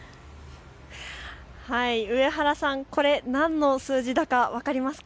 上原さん、これ何の数字だか分かりますか。